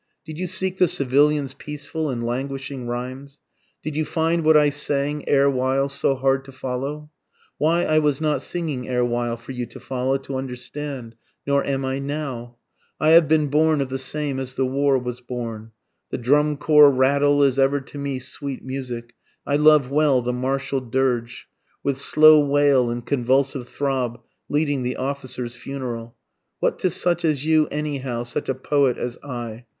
Did you seek the civilian's peaceful and languishing rhymes? Did you find what I sang erewhile so hard to follow? Why I was not singing erewhile for you to follow, to understand nor am I now; (I have been born of the same as the war was born, The drum corps' rattle is ever to me sweet music, I love well the martial dirge, With slow wail and convulsive throb leading the officer's funeral;) What to such as you anyhow such a poet as I?